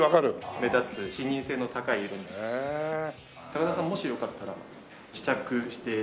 高田さんもしよかったら試着してみませんか？